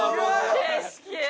景色